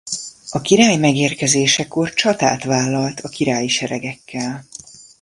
A király megérkezésekor csatát vállalt a királyi seregekkel.